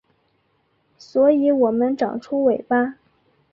所以我们长出尾巴